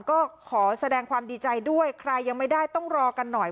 ก็ขอแสดงความดีใจด้วยใครยังไม่ได้ต้องรอกันหน่อย